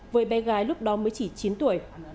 với bé gái lúc đó mới chỉ chín tuổi